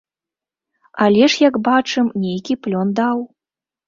Але ж, як бачым, нейкі плён даў.